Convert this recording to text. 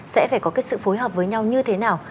sẽ phải có cái sự phối hợp với nhau như thế nào